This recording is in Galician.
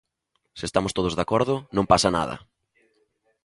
Se estamos todos de acordo, non pasa nada.